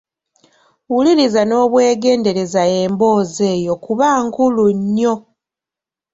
Wuliriza n'obwegendereza emboozi eyo kuba nkulu nnyo.